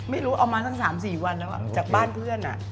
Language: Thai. ไม่รู้เอามาสักสามสี่วันแล้วอ่ะจากบ้านเพื่อนอ่ะ